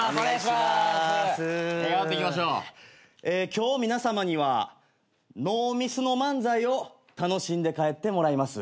今日皆さまにはノーミスの漫才を楽しんで帰ってもらいます。